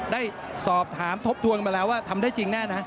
ได้สอบถามทบทวนมาแล้วว่าทำได้จริงแน่นะ